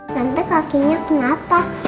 tante kakinya kenapa